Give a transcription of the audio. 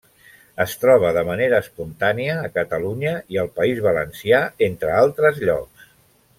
Es troba de manera espontània a Catalunya i al País Valencià entre altres llocs.